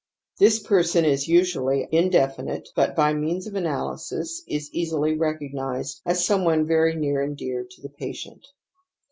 This person is usually indefinite, but, by means of analysis, is easily recognized as some one very near and dear <to the patient.